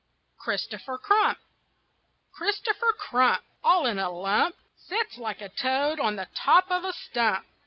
CHRISTOPHER CRUMP Christopher Crump, All in a lump, Sits like a toad on the top of a stump.